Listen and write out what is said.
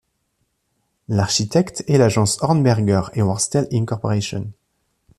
L'architecte est l'agence Hornberger & Worstell Inc.